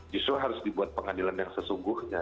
justru harus dibuat pengadilan yang sesungguhnya